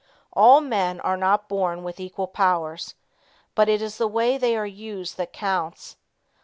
All men are not born with equal powers, but it is the way they are used that counts.